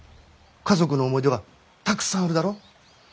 家族の思い出がたくさんあるだろ。